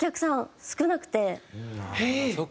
そっか。